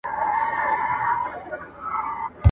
یو څو شپې یې کورته هیڅ نه وه ور وړي ..